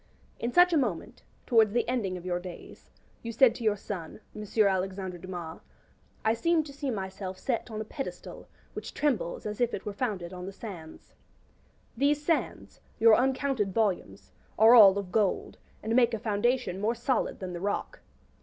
In such a moment, towards the ending of your days, you said to your son, M. Alexandre Dumas, 'I seem to see myself set on a pedestal which trembles as if it were founded on the sands.' These sands, your uncounted volumes, are all of gold, and make a foundation more solid than the rock.